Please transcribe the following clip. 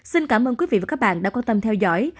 xin cảm ơn quý vị và các bạn đã quan tâm theo dõi